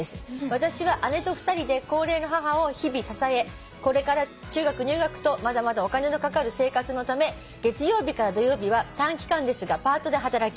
「私は姉と２人で高齢の母を日々支えこれから中学入学とまだまだお金のかかる生活のため月曜日から土曜日は短期間ですがパートで働き